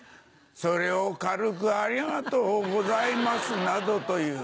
それを軽く「ありがとうございます」などと言う。